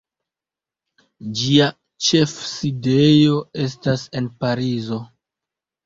Ĝia ĉefsidejo estas en Parizo.